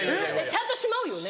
ちゃんとしまうよね？